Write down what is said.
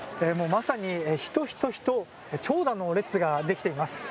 まさに人、人、人長蛇の列ができています。